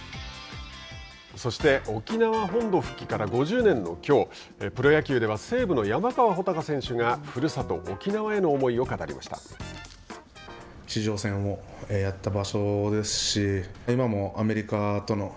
そして沖縄本土復帰から５０年のきょうプロ野球では西武の山川穂高選手がふるさと沖縄への思いを語りました。